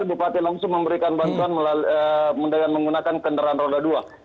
bupati langsung memberikan bantuan dengan menggunakan kendaraan roda dua